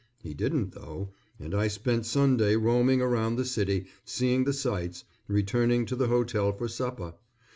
He didn't though, and I spent Sunday roaming around the city seeing the sights, returning to the hotel for supper.